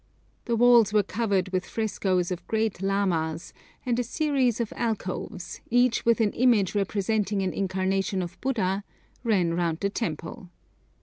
The walls were covered with frescoes of great lamas, and a series of alcoves, each with an image representing an incarnation of Buddha, ran round the temple.